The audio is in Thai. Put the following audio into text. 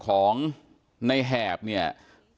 ก็นานีแล้วคุณบทสมประกอบค่ะ